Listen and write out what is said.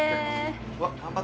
うわっ。